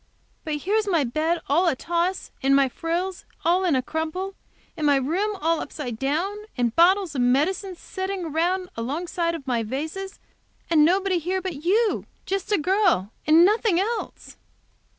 But here's my bed all in a toss, and my frills all in a crumple and my room all upside down, and bottles of medicine setting around alongside of my vases, and nobody here but you, just a girl, and nothing else!"